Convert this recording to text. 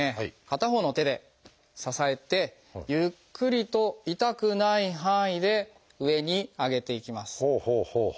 片方の手で支えてゆっくりと痛くない範囲で上に上げていきます。